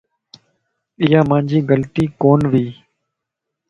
ايا مانجي غلطي ڪون وي.